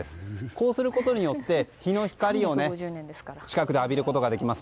こうすることによって日の光を近くで浴びることができます。